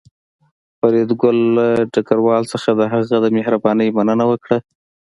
فریدګل له ډګروال څخه د هغه د مهربانۍ مننه وکړه